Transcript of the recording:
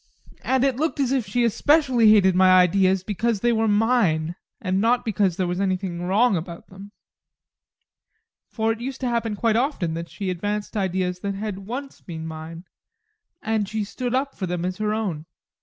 And it looked as if she especially hated my ideas because they were mine, and not because there was anything wrong about them. For it used to happen quite often that she advanced ideas that had once been mine, and that she stood up for them as her own.